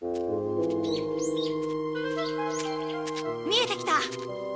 見えてきた。